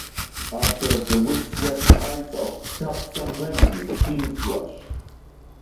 After the windswept heights of Pat Sin Leng it seems lush.